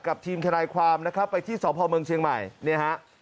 กับทีมธนายความนะครับไปที่สอบภาวเมืองเชียงใหม่